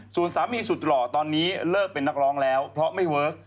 ส่วนสามีสุดหล่อตอนนี้เลิกเป็นนักร้องแล้วเพราะไม่เวิร์ค